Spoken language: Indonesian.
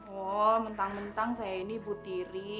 oh mentang mentang saya ini bu tiri